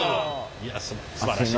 いやすばらしい！